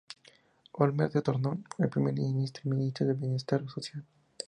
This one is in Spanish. Olmert se tornó en Primer Ministro y Ministro de Bienestar Social.